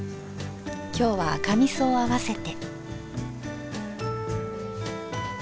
今日は赤みそを合わせて。